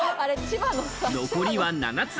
残りは７つ。